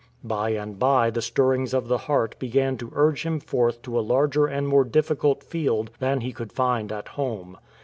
By and by the stirrings of the heart began to urge him forth to a larger and more difficult field than he could find at home.